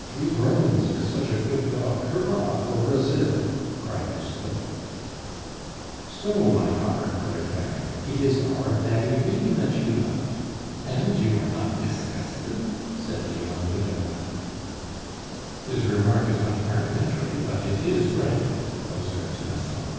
"Three groans for such a good dog! Hurrah for Brazil!" cried Lousteau. "So, my copper colored Baron, it is our Valerie that you love; and you are not disgusted?" said Leon de Lora. "His remark is not parliamentary, but it is grand!" observed Massol.